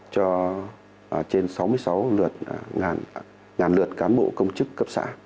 cho trên sáu mươi sáu lượt ngàn lượt cán bộ công chức cấp xã